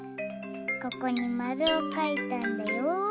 ここにまるをかいたんだよ。